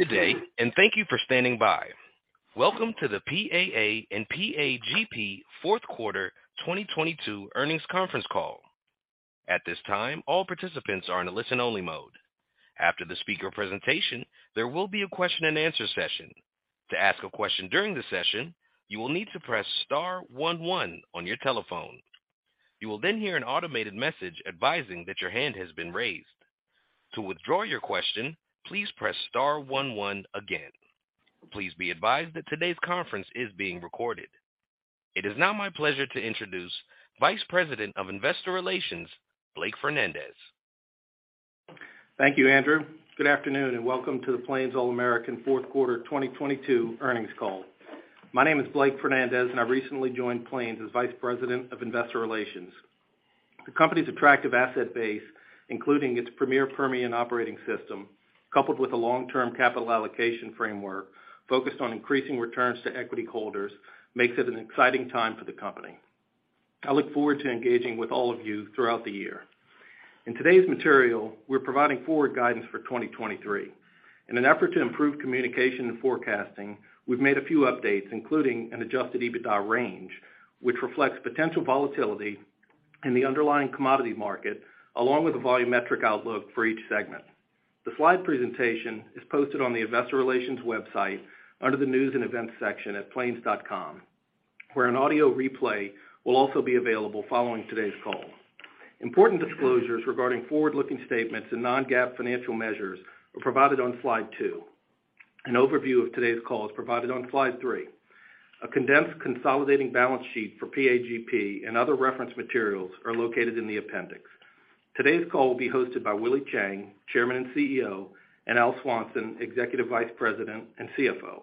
Good day. Thank you for standing by. Welcome to the PAA and PAGP Fourth Quarter 2022 Earnings Conference Call. At this time, all participants are in a listen-only mode. After the speaker presentation, there will be a question-and-answer session. To ask a question during the session, you will need to press star one one on your telephone. You will hear an automated message advising that your hand has been raised. To withdraw your question, please press star one one again. Please be advised that today's conference is being recorded. It is now my pleasure to introduce Vice President of Investor Relations, Blake Fernandez. Thank you, Andrew. Welcome to the Plains All American Fourth Quarter 2022 Earnings Call. My name is Blake Fernandez, I recently joined Plains as Vice President of Investor Relations. The company's attractive asset base, including its premier Permian operating system, coupled with a long-term capital allocation framework focused on increasing returns to equity holders, makes it an exciting time for the company. I look forward to engaging with all of you throughout the year. In today's material, we're providing forward guidance for 2023. In an effort to improve communication and forecasting, we've made a few updates, including an Adjusted EBITDA range, which reflects potential volatility in the underlying commodity market, along with the volumetric outlook for each segment. The slide presentation is posted on the investor relations website under the News and Events section at plains.com, where an audio replay will also be available following today's call. Important disclosures regarding forward-looking statements and non-GAAP financial measures are provided on slide 2. An overview of today's call is provided on slide three. A condensed consolidating balance sheet for PAGP and other reference materials are located in the appendix. Today's call will be hosted by Willie Chiang, Chairman and CEO, and Al Swanson, Executive Vice President and CFO.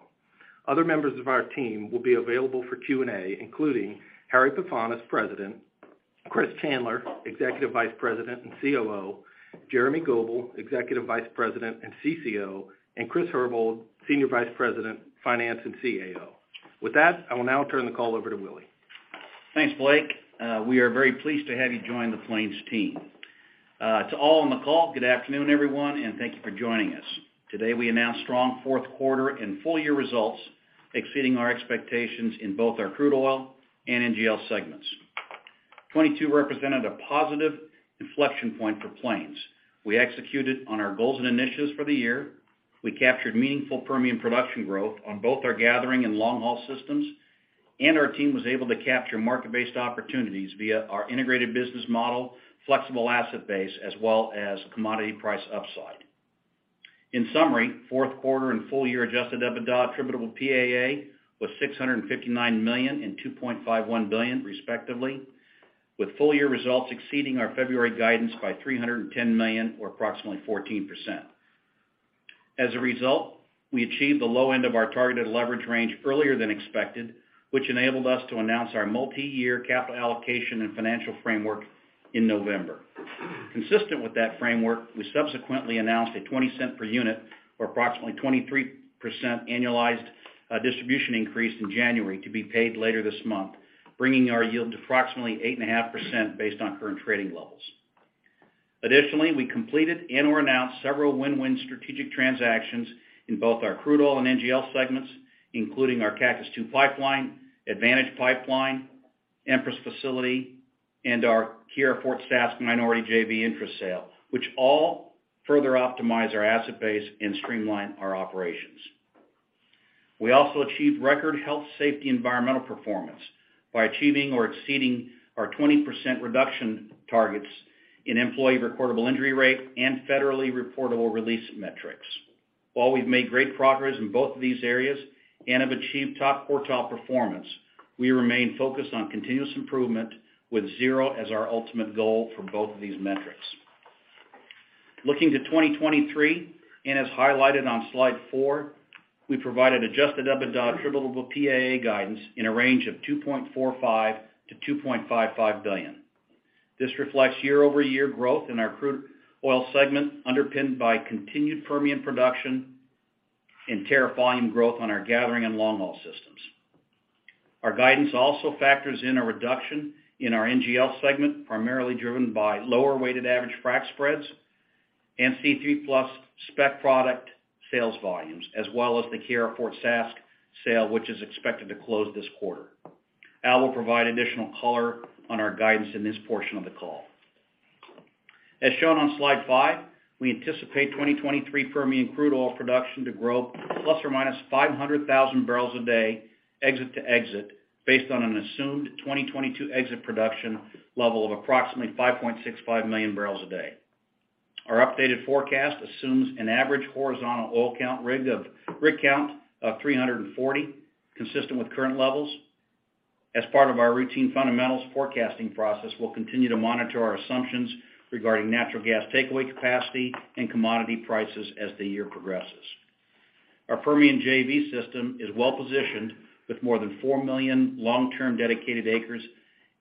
Other members of our team will be available for Q&A, including Harry Pefanis, President; Chris Chandler, Executive Vice President and COO; Jeremy Goebel, Executive Vice President and CCO; and Chris Herbold, Senior Vice President, Finance and CAO. With that, I will now turn the call over to Willie. Thanks, Blake. We are very pleased to have you join the Plains team. To all on the call, good afternoon, everyone, and thank you for joining us. Today, we announce strong fourth quarter and full-year results, exceeding our expectations in both our crude oil and NGL segments. 2022 represented a positive inflection point for Plains. We executed on our goals and initiatives for the year. We captured meaningful Permian production growth on both our gathering and long-haul systems, and our team was able to capture market-based opportunities via our integrated business model, flexible asset base, as well as commodity price upside. In summary, fourth quarter and full-year Adjusted EBITDA attributable PAA was $659 million and $2.51 billion, respectively, with full-year results exceeding our February guidance by $310 million or approximately 14%. We achieved the low end of our targeted leverage range earlier than expected, which enabled us to announce our multi-year capital allocation and financial framework in November. Consistent with that framework, we subsequently announced a $0.20 per unit or approximately 23% annualized distribution increase in January to be paid later this month, bringing our yield to approximately 8.5% based on current trading levels. We completed and/or announced several win-win strategic transactions in both our crude oil and NGL segments, including our Cactus II Pipeline, Advantage Pipeline, Empress Facility, and our Keyera Fort Saskatchewan minority JV interest sale, which all further optimize our asset base and streamline our operations. We also achieved record health safety environmental performance by achieving or exceeding our 20% reduction targets in employee recordable injury rate and federally reportable release metrics. While we've made great progress in both of these areas and have achieved top quartile performance, we remain focused on continuous improvement with zero as our ultimate goal for both of these metrics. Looking to 2023, and as highlighted on slide four, we provided Adjusted EBITDA attributable PAA guidance in a range of $2.45 billion-$2.55 billion. This reflects year-over-year growth in our crude oil segment, underpinned by continued Permian production and tariff volume growth on our gathering and long-haul systems. Our guidance also factors in a reduction in our NGL segment, primarily driven by lower weighted average frac spreads and C3+ spec product sales volumes, as well as the Keyera Fort Saskatchewan sale, which is expected to close this quarter. Al will provide additional color on our guidance in this portion of the call. As shown on slide five, we anticipate 2023 Permian crude oil production to grow ±500,000 barrels a day exit to exit based on an assumed 2022 exit production level of approximately 5.65 million barrels a day. Our updated forecast assumes an average horizontal oil rig count of 340, consistent with current levels. As part of our routine fundamentals forecasting process, we'll continue to monitor our assumptions regarding natural gas takeaway capacity and commodity prices as the year progresses. Our Permian JV system is well-positioned with more than four million long-term dedicated acres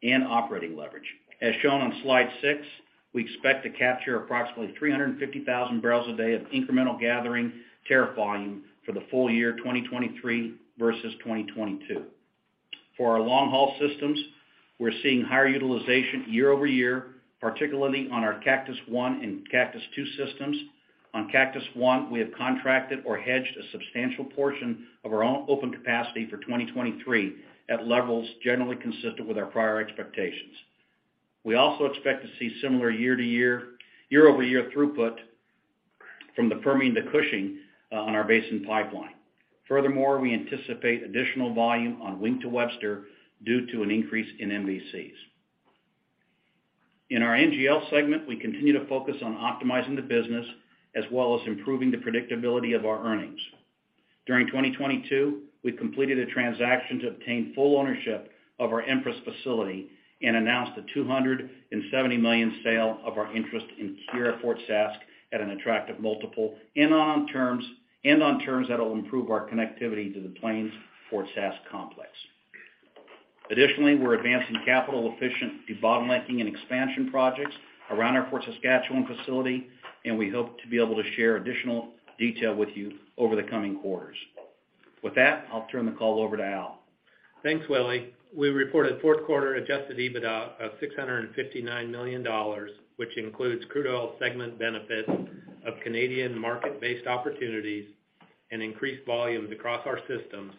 and operating leverage. As shown on slide six, we expect to capture approximately 350,000 barrels a day of incremental gathering tariff volume for the full year 2023 versus 2022. Our long-haul systems, we're seeing higher utilization year-over-year, particularly on our Cactus I and Cactus II systems. On Cactus I, we have contracted or hedged a substantial portion of our own open capacity for 2023 at levels generally consistent with our prior expectations. We also expect to see similar year-over-year throughput from the Permian to Cushing on our Basin Pipeline. Furthermore, we anticipate additional volume on Wink to Webster due to an increase in MVCs. In our NGL segment, we continue to focus on optimizing the business as well as improving the predictability of our earnings. During 2022, we completed a transaction to obtain full ownership of our Empress facility and announced a $270 million sale of our interest in Keyera Fort Sask at an attractive multiple and on terms that will improve our connectivity to the Plains Fort Sask complex. We're advancing capital-efficient debottlenecking and expansion projects around our Fort Saskatchewan facility, and we hope to be able to share additional detail with you over the coming quarters. I'll turn the call over to Al. Thanks, Willie. We reported fourth quarter Adjusted EBITDA of $659 million, which includes crude oil segment benefits of Canadian market-based opportunities and increased volumes across our systems,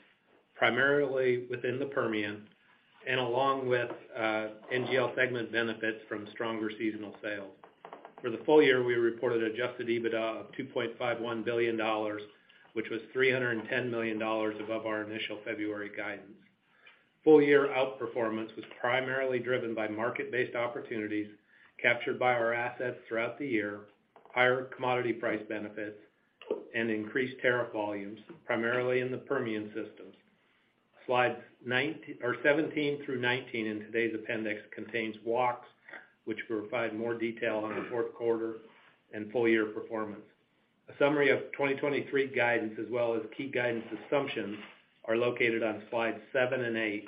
primarily within the Permian and along with NGL segment benefits from stronger seasonal sales. For the full year, we reported Adjusted EBITDA of $2.51 billion, which was $310 million above our initial February guidance. Full year outperformance was primarily driven by market-based opportunities captured by our assets throughout the year, higher commodity price benefits, and increased tariff volumes, primarily in the Permian systems. Slides 17 through 19 in today's appendix contains walks which provide more detail on the fourth quarter and full year performance. A summary of 2023 guidance as well as key guidance assumptions are located on slides seven and eight.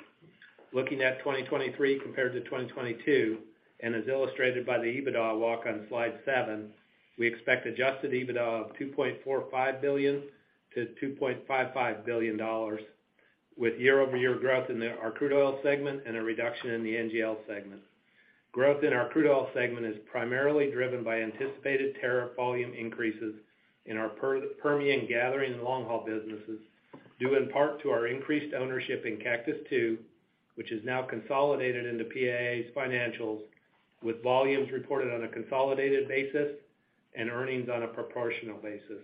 Looking at 2023 compared to 2022, as illustrated by the Adjusted EBITDA walk on slide seven, we expect Adjusted EBITDA of $2.45 billion-$2.55 billion with year-over-year growth in our crude oil segment and a reduction in the NGL segment. Growth in our crude oil segment is primarily driven by anticipated tariff volume increases in our Permian gathering and long-haul businesses, due in part to our increased ownership in Cactus II, which is now consolidated into PAA's financials, with volumes reported on a consolidated basis and earnings on a proportional basis.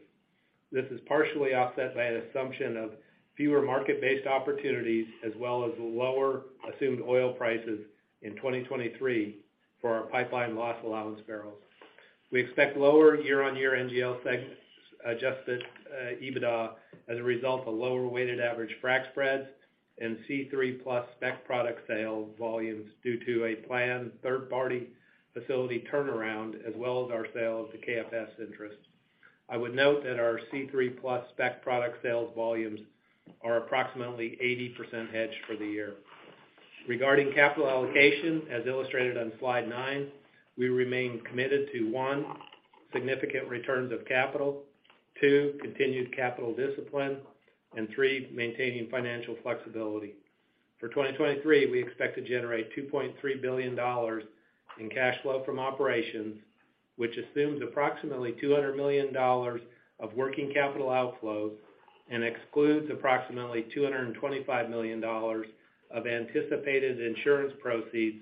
This is partially offset by an assumption of fewer market-based opportunities as well as lower assumed oil prices in 2023 for our pipeline loss allowance barrels. We expect lower year-on-year NGL segment's Adjusted EBITDA as a result of lower weighted average frac spreads and C3+ spec product sales volumes due to a planned third-party facility turnaround as well as our sale to KFS interest. I would note that our C3+ spec product sales volumes are approximately 80% hedged for the year. Regarding capital allocation, as illustrated on slide nine, we remain committed to, one, significant returns of capital, two, continued capital discipline, and three, maintaining financial flexibility. For 2023, we expect to generate $2.3 billion in cash flow from operations, which assumes approximately $200 million of working capital outflows and excludes approximately $225 million of anticipated insurance proceeds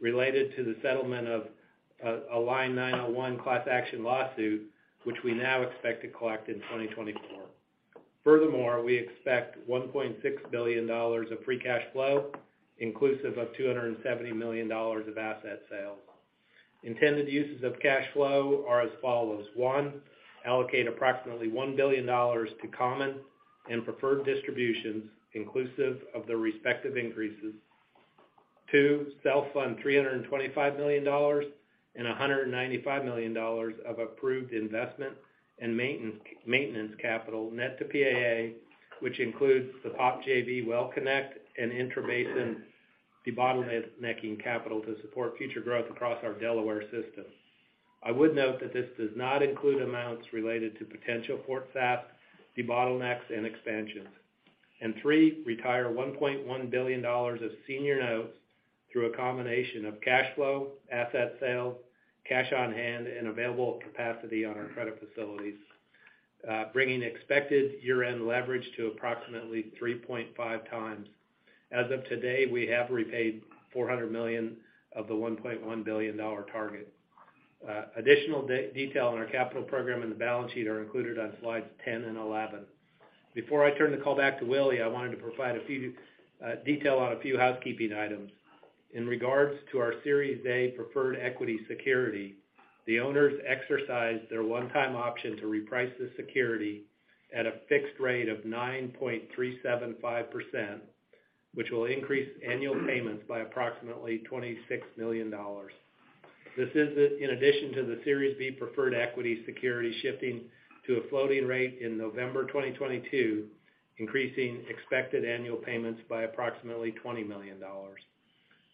related to the settlement of a Line 901 class action lawsuit, which we now expect to collect in 2024. We expect $1.6 billion of free cash flow, inclusive of $270 million of asset sales. Intended uses of cash flow are as follows. One, allocate approximately $1 billion to common and preferred distributions, inclusive of their respective increases. Two, self-fund $325 million and $195 million of approved investment and maintenance capital net to PAA, which includes the POP JV WellConnect and intrabasin debottlenecking capital to support future growth across our Delaware system. I would note that this does not include amounts related to potential Fort Sask bottlenecks and expansions. Three, retire $1.1 billion of senior notes through a combination of cash flow, asset sales, cash on hand, and available capacity on our credit facilities, bringing expected year-end leverage to approximately 3.5x. As of today, we have repaid $400 million of the $1.1 billion target. Additional detail on our capital program and the balance sheet are included on slides 10 and 11. Before I turn the call back to Willie, I wanted to provide a few detail on a few housekeeping items. In regards to our Series A Preferred equity security, the owners exercised their one-time option to reprice the security at a fixed rate of 9.375%, which will increase annual payments by approximately $26 million. This is in addition to the Series B Preferred equity security shifting to a floating rate in November 2022, increasing expected annual payments by approximately $20 million.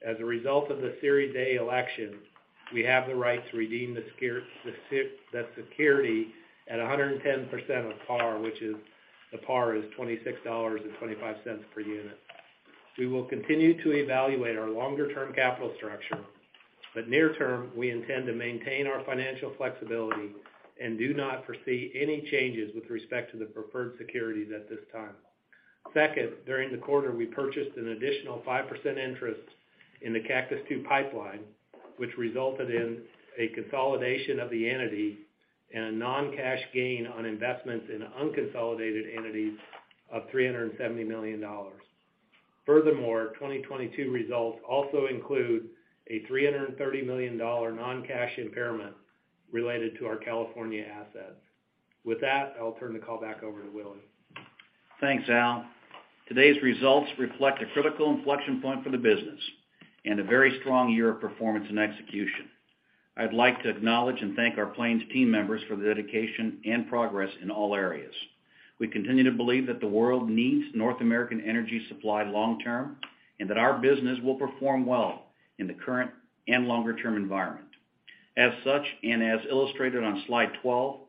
As a result of the Series A election, we have the right to redeem that security at 110% of par, which is the par is $26.25 per unit. We will continue to evaluate our longer-term capital structure, but near term, we intend to maintain our financial flexibility and do not foresee any changes with respect to the preferred securities at this time. Second, during the quarter, we purchased an additional 5% interest in the Cactus II Pipeline, which resulted in a consolidation of the entity and a non-cash gain on investments in unconsolidated entities of $370 million. Furthermore, 2022 results also include a $330 million non-cash impairment related to our California assets. With that, I'll turn the call back over to Willie. Thanks, Al. Today's results reflect a critical inflection point for the business and a very strong year of performance and execution. I'd like to acknowledge and thank our Plains team members for their dedication and progress in all areas. We continue to believe that the world needs North American energy supply long term, and that our business will perform well in the current and longer-term environment. As such, and as illustrated on slide 12,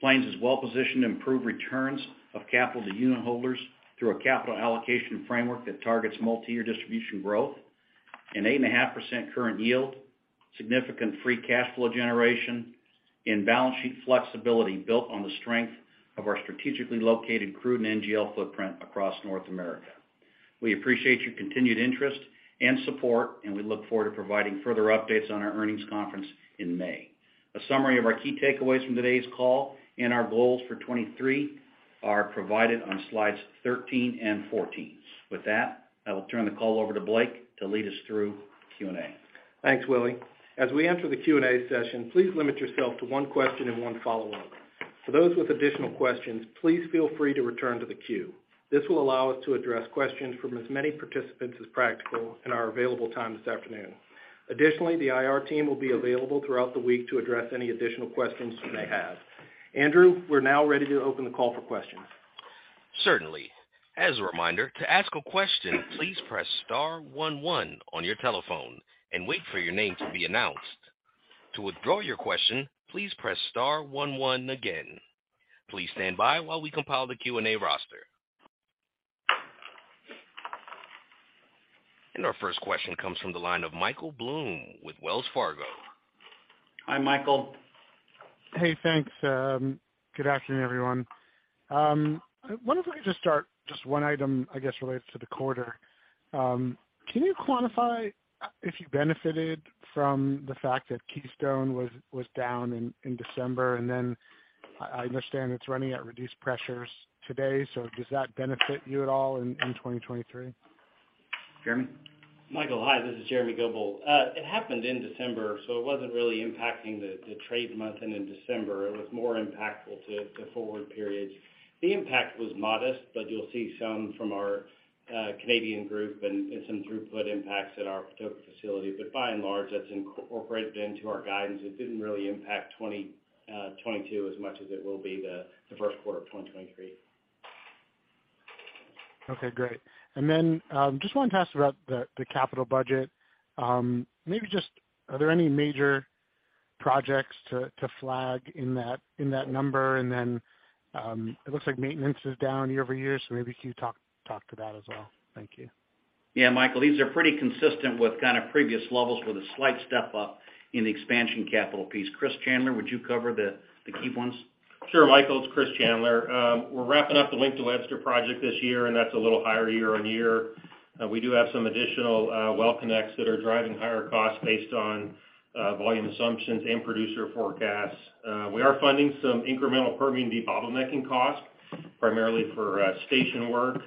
Plains is well positioned to improve returns of capital to unit holders through a capital allocation framework that targets multi-year distribution growth, an 8.5% current yield, significant free cash flow generation, and balance sheet flexibility built on the strength of our strategically located crude and NGL footprint across North America. We appreciate your continued interest and support, and we look forward to providing further updates on our earnings conference in May. A summary of our key takeaways from today's call and our goals for 2023 are provided on slides 13 and 14. With that, I will turn the call over to Blake to lead us through Q&A. Thanks, Willie. As we enter the Q&A session, please limit yourself to one question and one follow-up. For those with additional questions, please feel free to return to the queue. This will allow us to address questions from as many participants as practical in our available time this afternoon. Additionally, the IR team will be available throughout the week to address any additional questions you may have. Andrew, we're now ready to open the call for questions. Certainly. As a reminder, to ask a question, please press star one one on your telephone and wait for your name to be announced. To withdraw your question, please press star one one again. Please stand by while we compile the Q&A roster. Our first question comes from the line of Michael Blum with Wells Fargo. Hi, Michael. Hey, thanks. Good afternoon, everyone. I wonder if I could just start just one item, I guess, related to the quarter. Can you quantify if you benefited from the fact that Keystone was down in December? I understand it's running at reduced pressures today, so does that benefit you at all in 2023? Jeremy? Michael, hi, this is Jeremy Goebel. It happened in December, so it wasn't really impacting the trade month ending December. It was more impactful to the forward periods. The impact was modest, but you'll see some from our Canadian group and some throughput impacts at our Patoka facility. By and large, that's incorporated into our guidance. It didn't really impact 2022 as much as it will be the first quarter of 2023. Okay, great. Just wanted to ask about the capital budget. Maybe just are there any major projects to flag in that number? It looks like maintenance is down year-over-year, maybe can you talk to that as well? Thank you. Yeah, Michael, these are pretty consistent with kind of previous levels with a slight step up in the expansion capital piece. Chris Chandler, would you cover the key ones? Sure, Michael, it's Chris Chandler. We're wrapping up the Lake to Webster project this year, and that's a little higher year-over-year. We do have some additional well connects that are driving higher costs based on volume assumptions and producer forecasts. We are funding some incremental Permian debottlenecking costs primarily for station work,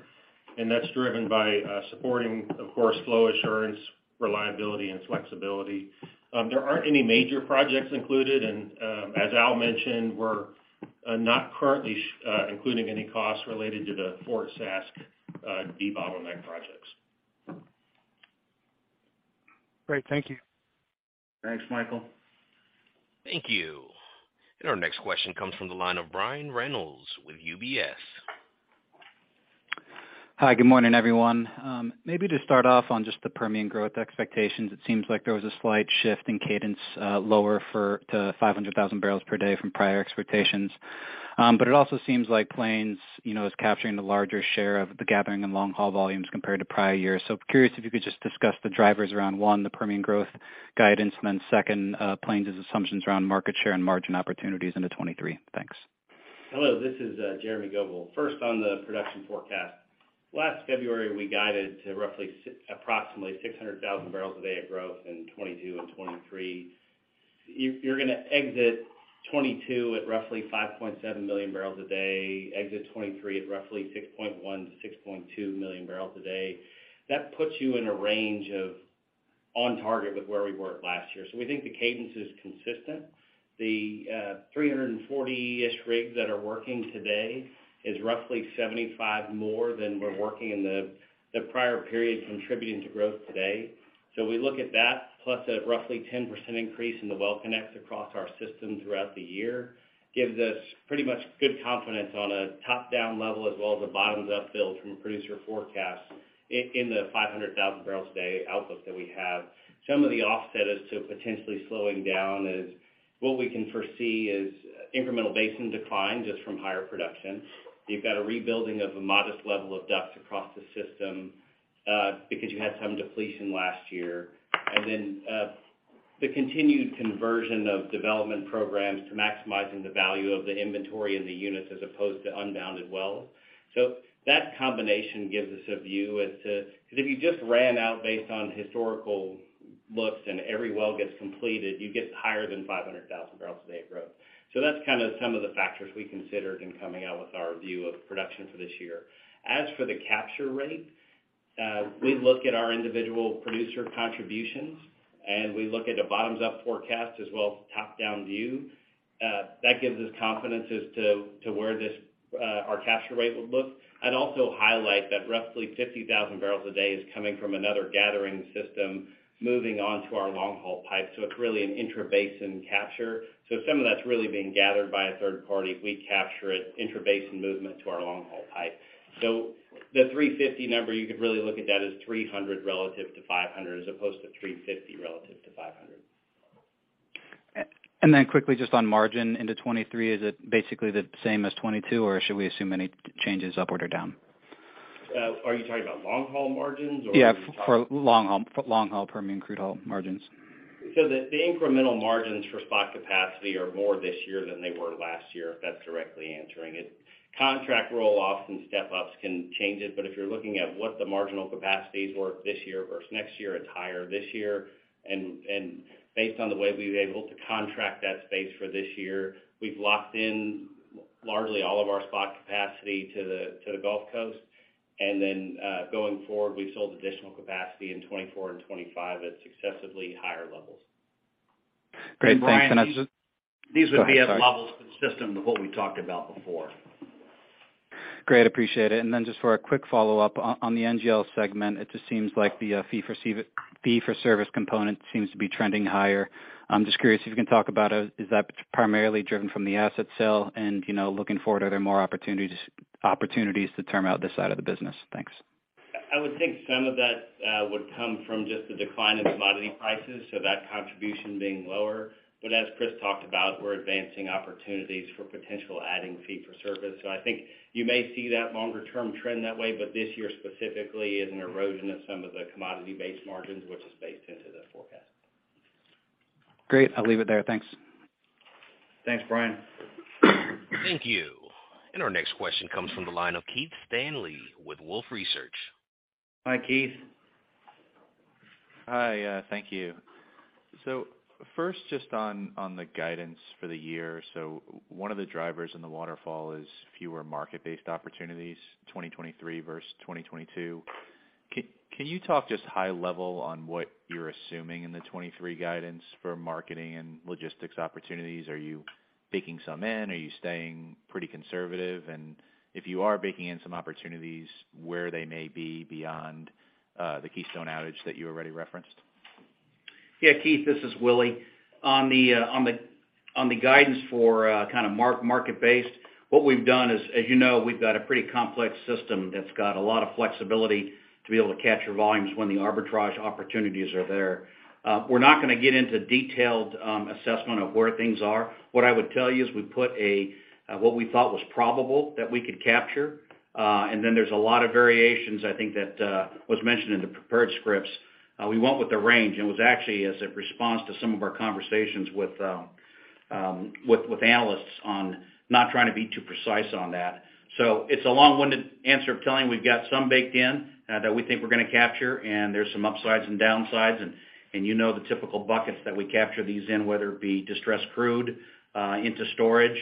and that's driven by supporting, of course, flow assurance, reliability, and flexibility. There aren't any major projects included. As Al mentioned, we're not currently including any costs related to the Fort Sask debottleneck projects. Great. Thank you. Thanks, Michael. Thank you. Our next question comes from the line of Brian Reynolds with UBS. Hi. Good morning, everyone. Maybe to start off on just the Permian growth expectations, it seems like there was a slight shift in cadence, lower for the 500,000 barrels per day from prior expectations. It also seems like Plains, you know, is capturing the larger share of the gathering and long-haul volumes compared to prior years. Curious if you could just discuss the drivers around, One, the Permian growth guidance, and then second, Plains' assumptions around market share and margin opportunities into 2023. Thanks. Hello, this is Jeremy Goebel. First on the production forecast. Last February, we guided to roughly approximately 600,000 barrels a day of growth in 2022 and 2023. You're going to exit 2022 at roughly 5.7 million barrels a day, exit 2023 at roughly 6.1 million-6.2 million barrels a day. That puts you in a range of on target with where we were last year. We think the cadence is consistent. The 340-ish rigs that are working today is roughly 75 more than were working in the prior period contributing to growth today. We look at that plus a roughly 10% increase in the well connects across our system throughout the year, gives us pretty much good confidence on a top-down level as well as a bottoms-up build from a producer forecast in the 500,000 barrels a day outlook that we have. Some of the offset as to potentially slowing down is what we can foresee is incremental basin decline just from higher production. You've got a rebuilding of a modest level of DUCs across the system because you had some depletion last year. The continued conversion of development programs to maximizing the value of the inventory in the units as opposed to unbounded well. That combination gives us a view as to. If you just ran out based on historical looks and every well gets completed, you get higher than 500,000 barrels a day of growth. That's kind of some of the factors we considered in coming out with our view of production for this year. As for the capture rate, we look at our individual producer contributions, and we look at a bottoms-up forecast as well as a top-down view. That gives us confidence as to where this our capture rate would look. I'd also highlight that roughly 50,000 barrels a day is coming from another gathering system moving on to our long-haul pipe, so it's really an intrabasin capture. Some of that's really being gathered by a third party. We capture it, intrabasin movement to our long-haul pipe. The 350 number, you could really look at that as 300 relative to 500 as opposed to 350 relative to 500. Then quickly, just on margin into 2023, is it basically the same as 2022, or should we assume any changes upward or down? Are you talking about long-haul margins or are you talking? For long-haul Permian crude oil margins. The incremental margins for spot capacity are more this year than they were last year, if that's directly answering it. Contract roll-offs and step-ups can change it, but if you're looking at what the marginal capacities were this year versus next year, it's higher this year. Based on the way we were able to contract that space for this year, we've locked in largely all of our spot capacity to the Gulf Coast. Going forward, we've sold additional capacity in 24 and 25 at successively higher levels. Great. Thanks. Brian, these would be as levels consistent with what we talked about before. Great, appreciate it. Then just for a quick follow-up. On the NGL segment, it just seems like the fee-for-service component seems to be trending higher. I'm just curious if you can talk about, is that primarily driven from the asset sale? You know, looking forward, are there more opportunities to term out this side of the business? Thanks. I would think some of that would come from just the decline in commodity prices, so that contribution being lower. As Chris talked about, we're advancing opportunities for potential adding fee-for-service. I think you may see that longer-term trend that way, but this year specifically is an erosion of some of the commodity-based margins, which is baked into the forecast. Great. I'll leave it there. Thanks. Thanks, Brian. Thank you. Our next question comes from the line of Keith Stanley with Wolfe Research. Hi, Keith. Hi. Thank you. First, just on the guidance for the year. One of the drivers in the waterfall is fewer market-based opportunities, 2023 versus 2022. Can you talk just high level on what you're assuming in the 2023 guidance for marketing and logistics opportunities? Are you baking some in? Are you staying pretty conservative? If you are baking in some opportunities, where they may be beyond the Keystone outage that you already referenced? Yeah, Keith, this is Willie. On the guidance for kind of mark-market-based, what we've done is, as you know, we've got a pretty complex system that's got a lot of flexibility to be able to capture volumes when the arbitrage opportunities are there. We're not gonna get into detailed assessment of where things are. What I would tell you is we put a what we thought was probable that we could capture, and then there's a lot of variations, I think that was mentioned in the prepared scripts. We went with the range, and it was actually as a response to some of our conversations with analysts on not trying to be too precise on that. It's a long-winded answer of telling we've got some baked in that we think we're gonna capture, and there's some upsides and downsides. You know the typical buckets that we capture these in, whether it be distressed crude into storage.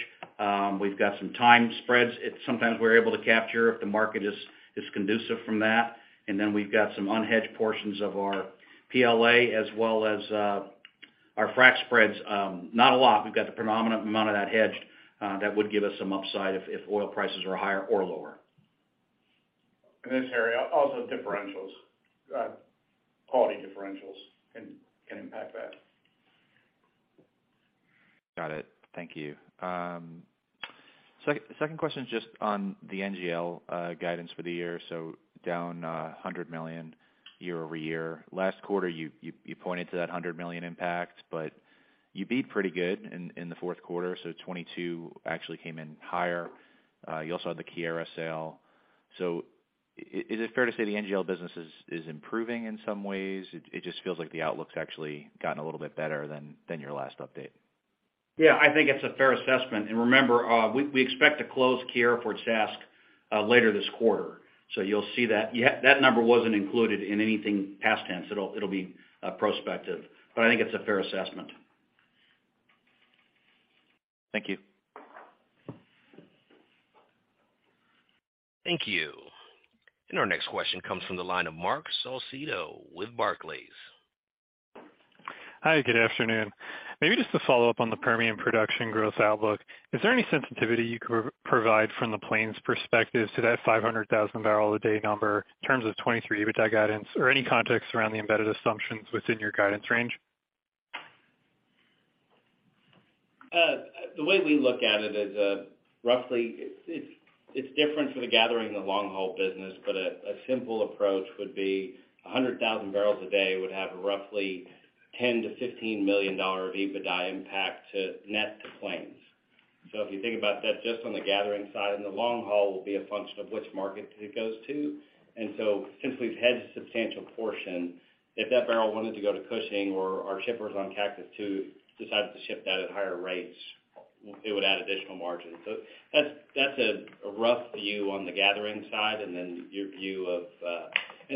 We've got some time spreads sometimes we're able to capture if the market is conducive from that. We've got some unhedged portions of our PLA as well as our frac spreads. Not a lot. We've got the predominant amount of that hedged that would give us some upside if oil prices are higher or lower. In this area, also differentials, quality differentials can impact that. Got it. Thank you. Second question is just on the NGL guidance for the year. Down $100 million year-over-year. Last quarter, you pointed to that $100 million impact, but you beat pretty good in the fourth quarter, so 2022 actually came in higher. You also had the Keyera sale. Is it fair to say the NGL business is improving in some ways? It just feels like the outlook's actually gotten a little bit better than your last update. Yeah, I think it's a fair assessment. Remember, we expect to close Keyera for its task later this quarter. You'll see that. Yeah, that number wasn't included in anything past tense. It'll be prospective. I think it's a fair assessment. Thank you. Thank you. Our next question comes from the line of Mark Salcedo with Barclays. Hi. Good afternoon. Maybe just to follow up on the Permian production growth outlook. Is there any sensitivity you could provide from the Plains perspective to that 500,000 barrel a day number in terms of 2023 EBITDA guidance or any context around the embedded assumptions within your guidance range? The way we look at it is, roughly it's different for the gathering, the long-haul business. A simple approach would be 100,000 barrels a day would have roughly $10 million-$15 million of EBITDA impact to net to Plains. So if you think about that just on the gathering side and the long haul will be a function of which market it goes to. Since we've hedged a substantial portion, if that barrel wanted to go to Cushing or our shippers on Cactus II decided to ship that at higher rates, it would add additional margin. That's a rough view on the gathering side and then your view of.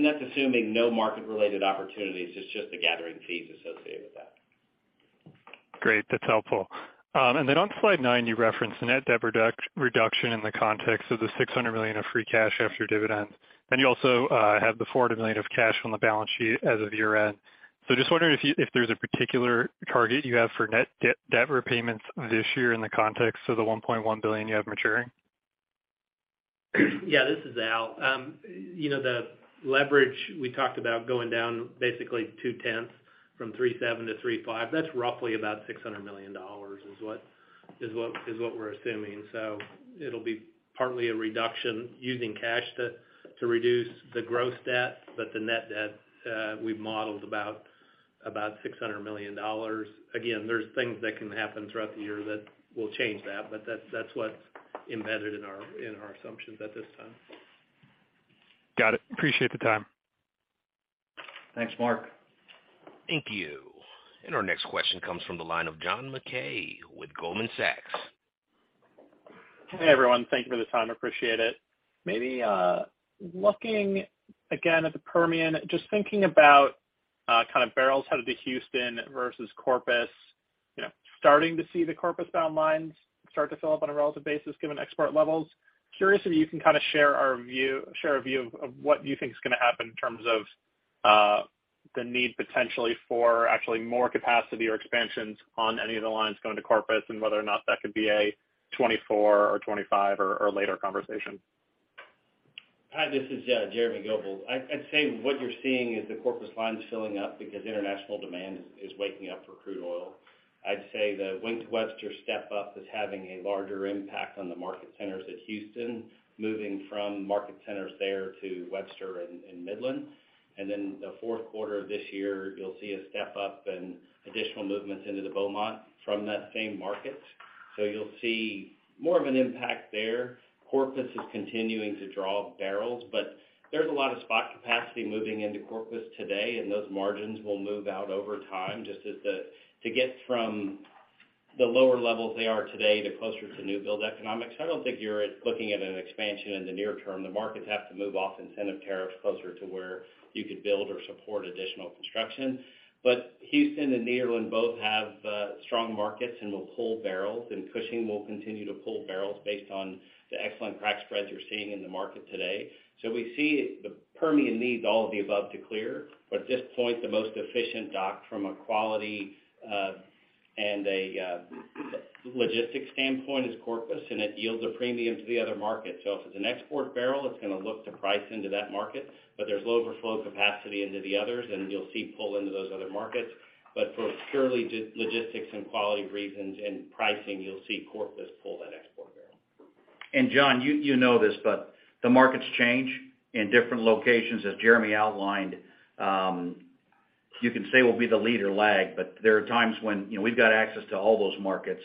That's assuming no market related opportunities, it's just the gathering fees associated with that. Great, that's helpful. On slide 9, you referenced net debt reduction in the context of the $600 million of free cash after dividends. You also have the $400 million of cash on the balance sheet as of year-end. Just wondering if there's a particular target you have for net debt repayments this year in the context of the $1.1 billion you have maturing. Yeah, this is Al. You know, the leverage we talked about going down basically two tenths from 3.7-3.5, that's roughly about $600 million is what we're assuming. It'll be partly a reduction using cash to reduce the gross debt, the net debt, we've modeled about $600 million. There's things that can happen throughout the year that will change that, but that's what's embedded in our assumptions at this time. Got it. Appreciate the time. Thanks, Mark. Thank you. Our next question comes from the line of John Mackay with Goldman Sachs. Hey, everyone. Thank you for the time. Appreciate it. Maybe, looking again at the Permian, just thinking about, kind of barrels headed to Houston versus Corpus. You know, starting to see the Corpus bound lines start to fill up on a relative basis given export levels. Curious if you can kind of share a view of, what you think is gonna happen in terms of, the need potentially for actually more capacity or expansions on any of the lines going to Corpus, and whether or not that could be a 2024 or 2025 or later conversation. Hi, this is Jeremy Goebel. I'd say what you're seeing is the Corpus lines filling up because international demand is waking up for crude oil. I'd say the Wink to Webster step up is having a larger impact on the market centers at Houston, moving from market centers there to Webster and Midland. Then the fourth quarter of this year, you'll see a step up and additional movements into the Beaumont from that same market. You'll see more of an impact there. Corpus is continuing to draw barrels, but there's a lot of spot capacity moving into Corpus today, and those margins will move out over time just as to get from the lower levels they are today to closer to new build economics. I don't think you're looking at an expansion in the near term. The markets have to move off incentive tariffs closer to where you could build or support additional construction. Houston and Nederland both have strong markets and will pull barrels, and Cushing will continue to pull barrels based on the excellent crack spreads you're seeing in the market today. We see the Permian needs all of the above to clear. At this point, the most efficient dock from a quality and a logistics standpoint is Corpus, and it yields a premium to the other markets. If it's an export barrel, it's gonna look to price into that market, but there's low overflow capacity into the others, and you'll see pull into those other markets. For purely logistics and quality reasons and pricing, you'll see Corpus pull that export barrel. John, you know this, but the markets change in different locations, as Jeremy outlined. You can say we'll be the lead or lag, but there are times when, you know, we've got access to all those markets.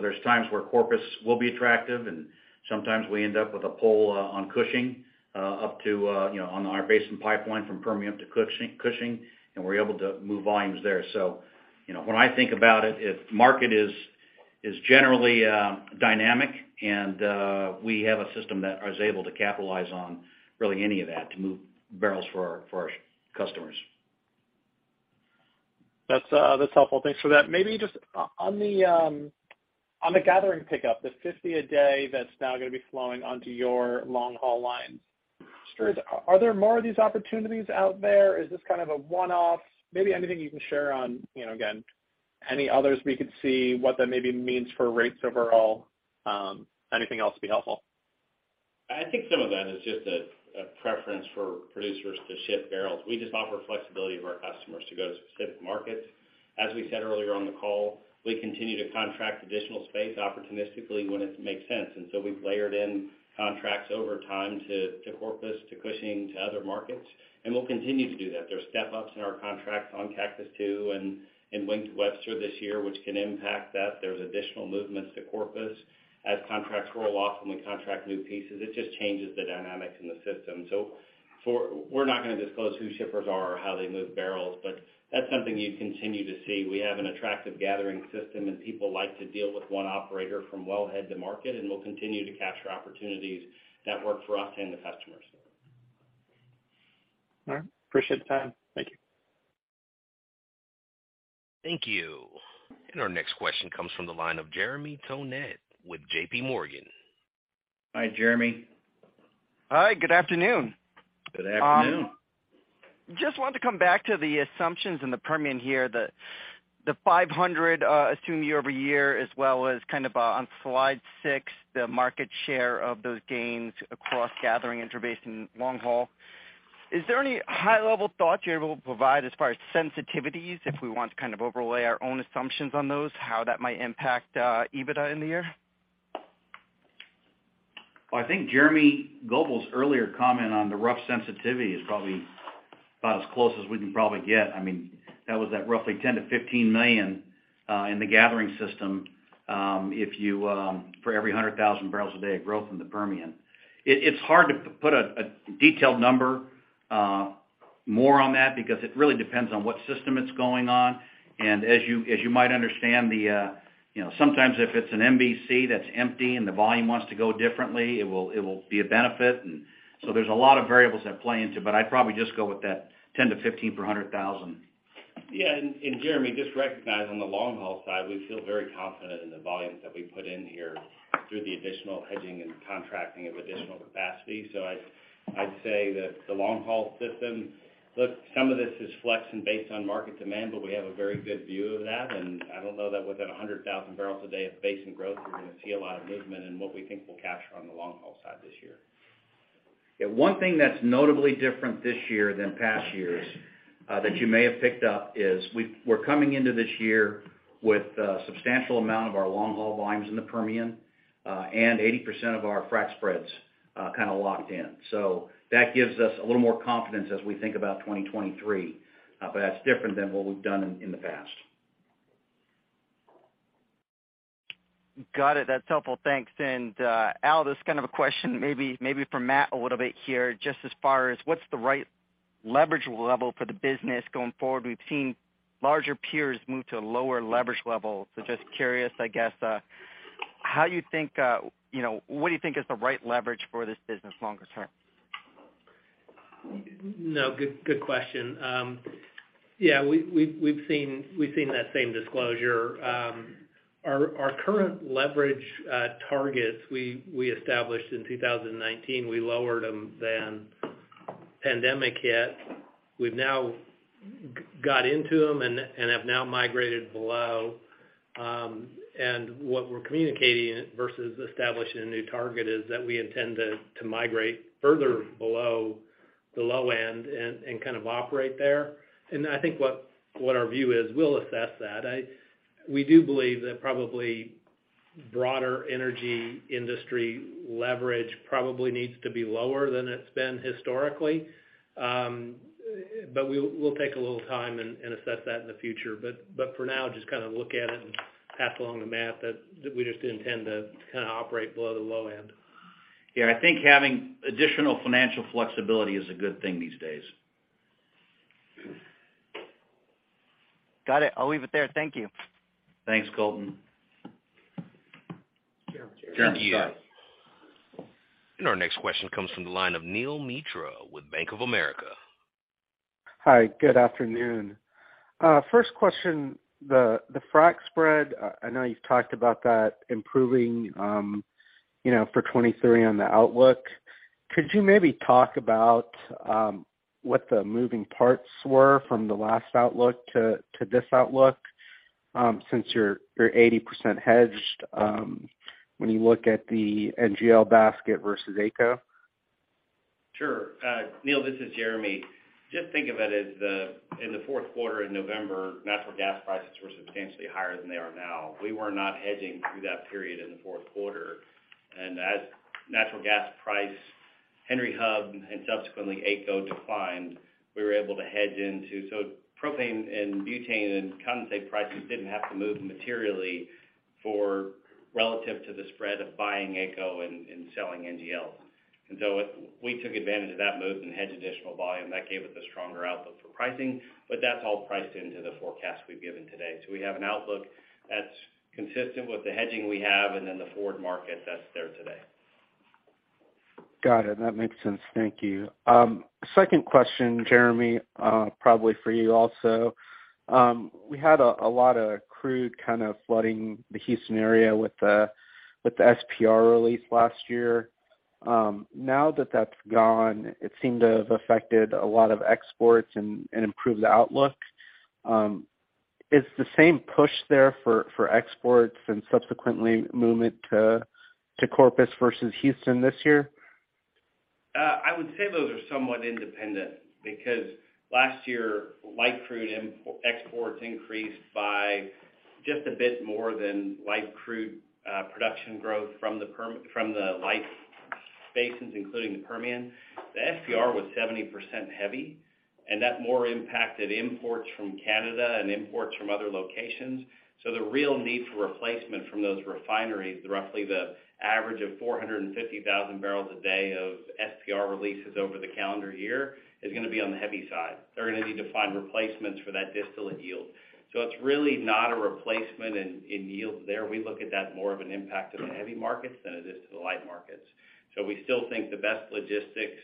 There's times where Corpus will be attractive, and sometimes we end up with a pull, on Cushing, up to, you know, on our Basin Pipeline from Permian up to Cushing, and we're able to move volumes there. You know, when I think about it, market is generally dynamic and we have a system that is able to capitalize on really any of that to move barrels for our, for our customers. That's helpful. Thanks for that. Maybe just on the on the gathering pickup, the 50 a day that's now gonna be flowing onto your long-haul lines. Stewart, are there more of these opportunities out there? Is this kind of a one-off? Maybe anything you can share on, you know, again, any others we could see what that maybe means for rates overall? Anything else would be helpful. I think some of that is just a preference for producers to ship barrels. We just offer flexibility to our customers to go to specific markets. As we said earlier on the call, we continue to contract additional space opportunistically when it makes sense. We've layered in contracts over time to Corpus, to Cushing, to other markets, and we'll continue to do that. There are step-ups in our contracts on Cactus II and Wink to Webster this year, which can impact that. There's additional movements to Corpus. As contracts roll off and we contract new pieces, it just changes the dynamics in the system. We're not gonna disclose who shippers are or how they move barrels, but that's something you continue to see. We have an attractive gathering system, and people like to deal with one operator from wellhead to market, and we'll continue to capture opportunities that work for us and the customers. All right. Appreciate the time. Thank you. Thank you. Our next question comes from the line of Jeremy Tonet with JPMorgan. Hi, Jeremy. Hi, good afternoon. Good afternoon. Just wanted to come back to the assumptions in the Permian here, the 500, assumed year-over-year, as well as kind of, on slide six, the market share of those gains across gathering, interbasin, long haul. Is there any high-level thought you're able to provide as far as sensitivities if we want to kind of overlay our own assumptions on those, how that might impact, EBITDA in the year? Well, I think Jeremy Goebel's earlier comment on the rough sensitivity is probably about as close as we can probably get. I mean, that was at roughly $10 million-$15 million in the gathering system, if you for every 100,000 barrels a day of growth in the Permian. It's hard to put a detailed number more on that because it really depends on what system it's going on. As you might understand the, you know, sometimes if it's an MBC that's empty and the volume wants to go differently, it will be a benefit. There's a lot of variables that play into, but I'd probably just go with that $10-$15 per 100,000. Yeah. Jeremy, just recognize on the long haul side, we feel very confident in the volumes that we put in here through the additional hedging and contracting of additional capacity. I'd say that the long haul system, look, some of this is flex and based on market demand, but we have a very good view of that. I don't know that within 100,000 barrels a day of Basin growth, we're gonna see a lot of movement in what we think we'll capture on the long haul side this year. Yeah. One thing that's notably different this year than past years, that you may have picked up is we're coming into this year with a substantial amount of our long haul volumes in the Permian, and 80% of our frac spreads, kind of locked in. That gives us a little more confidence as we think about 2023. That's different than what we've done in the past. Got it. That's helpful. Thanks. Al, this is kind of a question maybe for Matt a little bit here, just as far as what's the right leverage level for the business going forward? We've seen larger peers move to a lower leverage level. Just curious, I guess, how you think, you know, what do you think is the right leverage for this business longer term? Good question. Yeah, we've seen that same disclosure. Our current leverage targets we established in 2019, we lowered them then. Pandemic hit. We've now got into them and have now migrated below. What we're communicating versus establishing a new target is that we intend to migrate further below the low end and kind of operate there. I think what our view is, we'll assess that. We do believe that probably broader energy industry leverage probably needs to be lower than it's been historically. We'll take a little time and assess that in the future. For now, just kind of look at it and path along the math that we just intend to kind of operate below the low end. Yeah, I think having additional financial flexibility is a good thing these days. Got it. I'll leave it there. Thank you. Thanks, Colton. Jeremy. Yeah. Our next question comes from the line of Neel Mitra with Bank of America. Hi, good afternoon. First question, the frac spread. I know you've talked about that improving, you know, for 23 on the outlook. Could you maybe talk about what the moving parts were from the last outlook to this outlook, since you're 80% hedged, when you look at the NGL basket versus AECO? Sure. Neal, this is Jeremy. Just think of it as the, in the fourth quarter in November, natural gas prices were substantially higher than they are now. We were not hedging through that period in the fourth quarter. As natural gas price, Henry Hub and subsequently AECO declined, we were able to hedge into. Propane and butane and condensate prices didn't have to move materially for relative to the spread of buying AECO and selling NGLs. We took advantage of that move and hedged additional volume. That gave us a stronger outlook for pricing, but that's all priced into the forecast we've given today. We have an outlook that's consistent with the hedging we have and then the forward market that's there today. Got it. That makes sense. Thank you. Second question, Jeremy, probably for you also. We had a lot of crude kind of flooding the Houston area with the SPR release last year. Now that that's gone, it seemed to have affected a lot of exports and improved the outlook. Is the same push there for exports and subsequently movement to Corpus versus Houston this year? I would say those are somewhat independent because last year, light crude exports increased by just a bit more than light crude production growth from the light basins, including the Permian. The SPR was 70% heavy, that more impacted imports from Canada and imports from other locations. The real need for replacement from those refineries, roughly the average of 450,000 barrels a day of SPR releases over the calendar year, is gonna be on the heavy side. They're gonna need to find replacements for that distillate yield. It's really not a replacement in yields there. We look at that more of an impact to the heavy markets than it is to the light markets. We still think the best logistics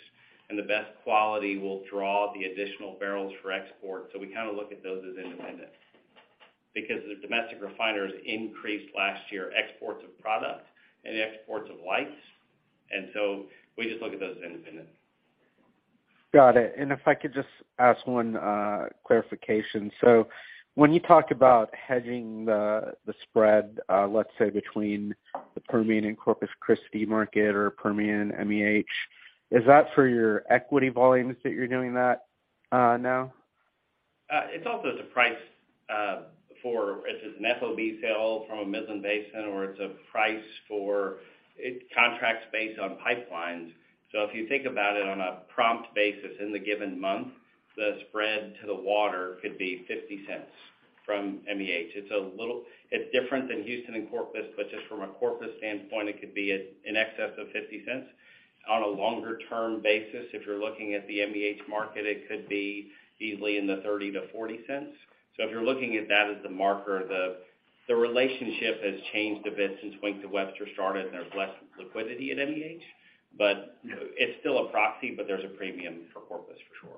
and the best quality will draw the additional barrels for export. We kind of look at those as independent. Because the domestic refiners increased last year exports of product and exports of lights. We just look at those independent. Got it. If I could just ask one, clarification. When you talk about hedging the spread, let's say between the Permian and Corpus Christi market or Permian and MEH, is that for your equity volumes that you're doing that, now? It's also the price, it's an FOB sale from a Midland Basin, or it's a price for contracts based on pipelines. If you think about it on a prompt basis in the given month, the spread to the water could be $0.50 from MEH. It's different than Houston and Corpus, but just from a Corpus standpoint, it could be in excess of $0.50. On a longer-term basis, if you're looking at the MEH market, it could be easily in the $0.30-$0.40. If you're looking at that as the marker, the relationship has changed a bit since Wink to Webster started, and there's less liquidity at MEH. It's still a proxy, but there's a premium for Corpus, for sure.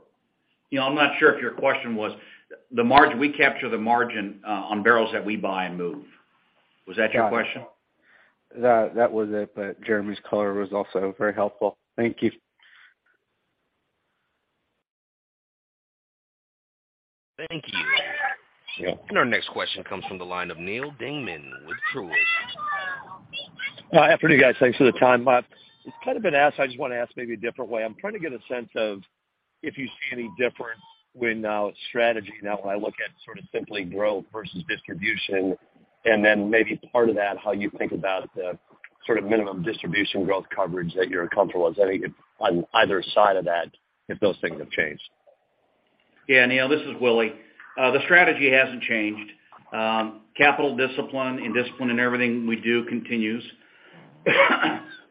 You know, I'm not sure if your question was... We capture the margin on barrels that we buy and move. Was that your question? That was it, but Jeremy's color was also very helpful. Thank you. Thank you. Our next question comes from the line of Neal Dingmann with Truist. Afternoon, guys. Thanks for the time. It's kind of been asked, I just wanna ask maybe a different way. I'm trying to get a sense of if you see any difference when strategy now I look at sort of simply growth versus distribution, then maybe part of that, how you think about the sort of minimum distribution growth coverage that you're comfortable with. Is on either side of that, if those things have changed? Yeah. Neal, this is Willie. The strategy hasn't changed. Capital discipline and discipline in everything we do continues.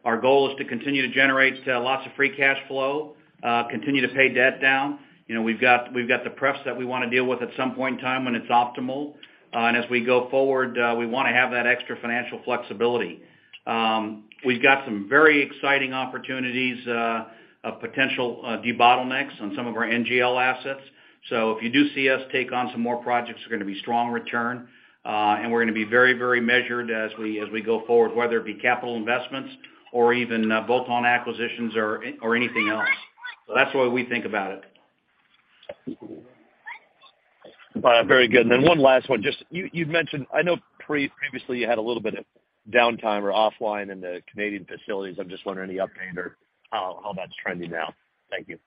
Our goal is to continue to generate lots of free cash flow, continue to pay debt down. You know, we've got the pref that we wanna deal with at some point in time when it's optimal. As we go forward, we wanna have that extra financial flexibility. We've got some very exciting opportunities of potential debottlenecks on some of our NGL assets. If you do see us take on some more projects, they're gonna be strong return, and we're gonna be very, very measured as we go forward, whether it be capital investments or even bolt-on acquisitions or anything else. That's the way we think about it. Very good. Then one last one. Just you'd mentioned-- I know previously you had a little bit of downtime or offline in the Canadian facilities. I'm just wondering any update or how that's trending now. Thank you.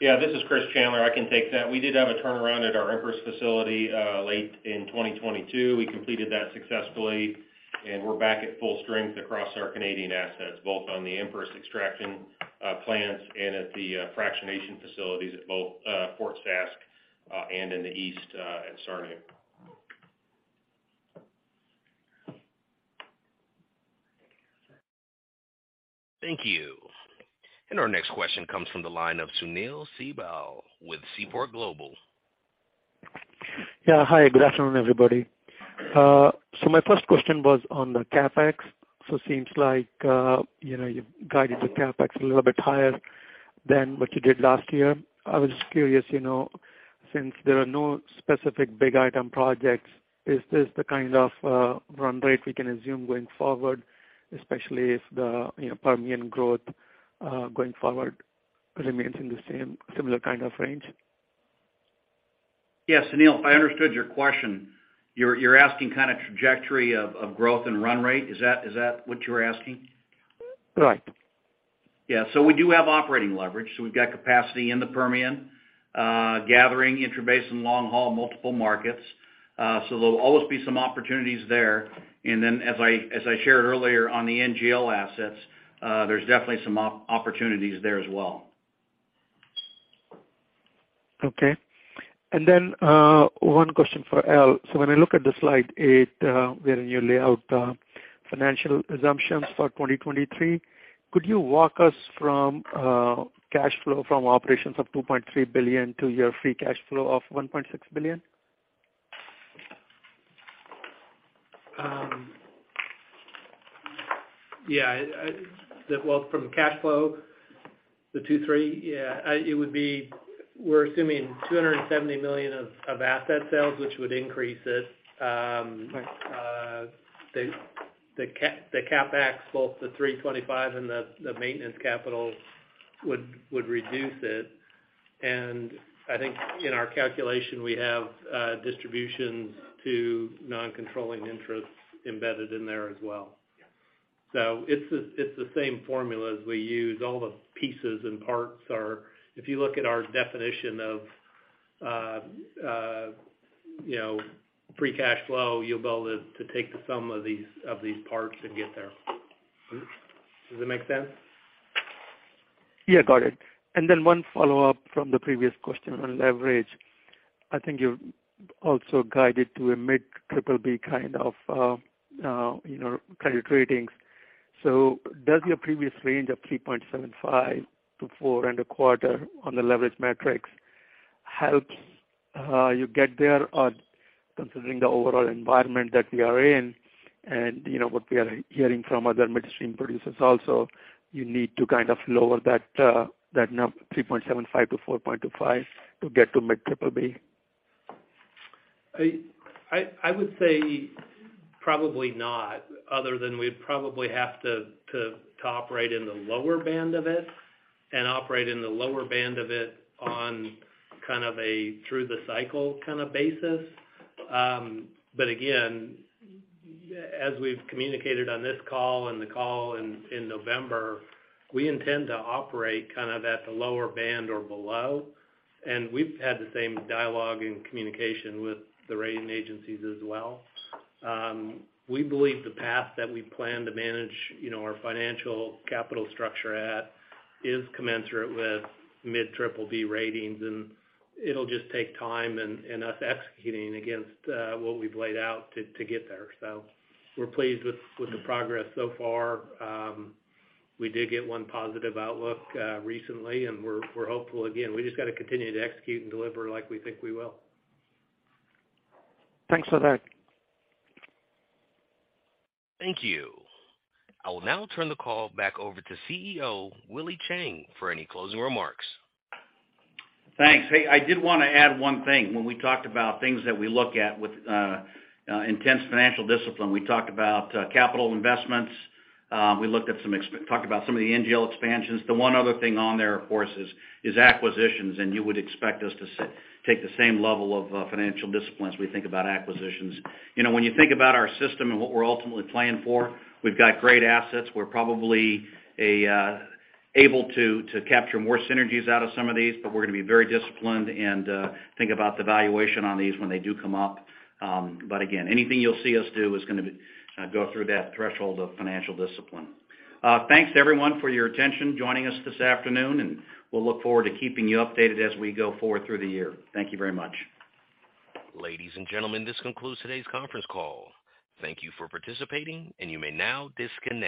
Yeah. This is Chris Chandler. I can take that. We did have a turnaround at our Empress facility late in 2022. We completed that successfully, and we're back at full strength across our Canadian assets, both on the Empress extraction plants and at the fractionation facilities at both Fort Sask and in the East at Sarnia. Thank you. Our next question comes from the line of Sunil Sibal with Seaport Global. Hi, good afternoon, everybody. My first question was on the CapEx. Seems like, you know, you've guided the CapEx a little bit higher than what you did last year. I was just curious, you know, since there are no specific big item projects, is this the kind of run rate we can assume going forward, especially if the, you know, Permian growth, going forward remains in the same similar kind of range? Yeah. Sunil, if I understood your question, you're asking kind of trajectory of growth and run rate. Is that what you're asking? Right. Yeah. We do have operating leverage. We've got capacity in the Permian, gathering intrabasin long-haul multiple markets. There'll always be some opportunities there. As I, as I shared earlier on the NGL assets, there's definitely some opportunities there as well. Okay. One question for Al. When I look at the slide eight, where you lay out, financial assumptions for 2023, could you walk us from, cash flow from operations of $2.3 billion to your free cash flow of $1.6 billion? Yeah. Well, from cash flow, the 23, yeah, we're assuming $270 million of asset sales, which would increase it. The CapEx, both the $325 and the maintenance capital would reduce it. I think in our calculation, we have distributions to non-controlling interests embedded in there as well. It's the same formula as we use. All the pieces and parts are... If you look at our definition of, you know, free cash flow, you'll be able to take the sum of these parts and get there. Does that make sense? Yeah, got it. One follow-up from the previous question on leverage. I think you've also guided to a mid triple-B kind of, you know, credit ratings. Does your previous range of 3.75-4.25 on the leverage metrics help you get there, considering the overall environment that we are in and, you know, what we are hearing from other midstream producers also, you need to kind of lower that number 3.75-4.25 to get to mid triple-B? I would say probably not other than we'd probably have to operate in the lower band of it and operate in the lower band of it on kind of a through the cycle kind of basis. Again, as we've communicated on this call and the call in November, we intend to operate kind of at the lower band or below, and we've had the same dialogue and communication with the rating agencies as well. We believe the path that we plan to manage, you know, our financial capital structure at is commensurate with mid triple-B ratings, and it'll just take time and us executing against what we've laid out to get there. We're pleased with the progress so far. We did get one positive outlook recently, and we're hopeful again. We just gotta continue to execute and deliver like we think we will. Thanks for that. Thank you. I will now turn the call back over to CEO Willie Chiang for any closing remarks. Thanks. Hey, I did wanna add one thing. When we talked about things that we look at with intense financial discipline, we talked about capital investments, talked about some of the NGL expansions. The one other thing on there, of course, is acquisitions, you would expect us to take the same level of financial disciplines as we think about acquisitions. You know, when you think about our system and what we're ultimately planning for, we've got great assets. We're probably able to capture more synergies out of some of these, but we're gonna be very disciplined and think about the valuation on these when they do come up. Again, anything you'll see us do is gonna be go through that threshold of financial discipline. Thanks everyone for your attention joining us this afternoon, we'll look forward to keeping you updated as we go forward through the year. Thank you very much. Ladies and gentlemen, this concludes today's conference call. Thank you for participating, and you may now disconnect.